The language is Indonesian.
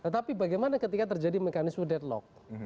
tapi bagaimana ketika terjadi mekanisme deadlock